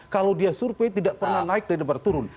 kalau dia survei tidak pernah naik dan berturun